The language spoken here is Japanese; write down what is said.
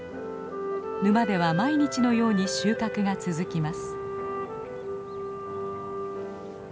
沼では毎日のように収穫が続きます。